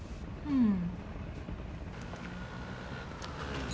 うん。